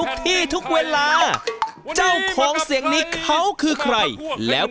อบเตอร์มหาสนุกกลับมาสร้างความสนานครื้นเครงพร้อมกับแขกรับเชิง